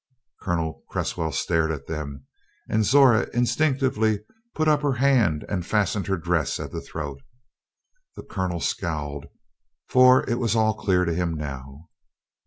Colonel Cresswell stared at them, and Zora instinctively put up her hand and fastened her dress at the throat. The Colonel scowled, for it was all clear to him now.